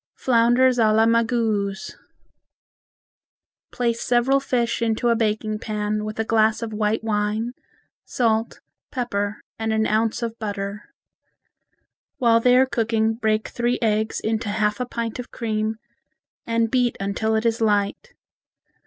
Flounders a la Magouze Place several fish into a baking pan with a glass of white wine, salt, pepper, and an ounce of butter. While they are cooking break three eggs into half a pint of cream, and beat until it is light.